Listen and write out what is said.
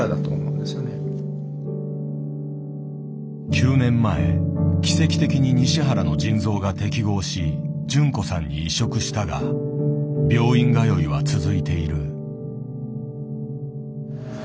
９年前奇跡的に西原の腎臓が適合し純子さんに移植したが病院通いは続いている。